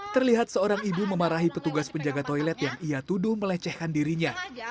terlihat seorang ibu memarahi petugas penjaga toilet yang ia tuduh melecehkan dirinya